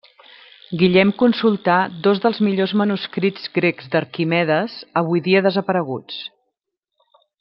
Guillem consultà dos dels millors manuscrits grecs d'Arquimedes, avui dia desapareguts.